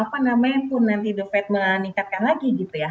apa namanya pun nanti dovet meningkatkan lagi gitu ya